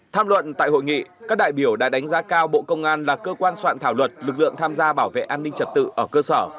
tham luận tại hội nghị các đại biểu đã đánh giá cao bộ công an là cơ quan soạn thảo luật lực lượng tham gia bảo vệ an ninh trật tự ở cơ sở